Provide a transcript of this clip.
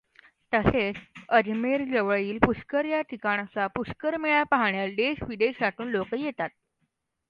तसेच अजमेरजवळील पुष्कर या ठिकाणचा पुष्कर मेळा पाहण्यास देश विदेशातून अनेक लोक येतात.